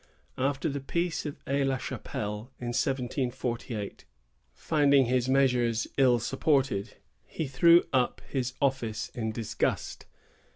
After the peace of Aix la Chapelle, in 1748, finding his measures ill supported, he threw up his office in disgust.